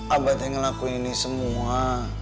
abah yang ngelakuin ini semua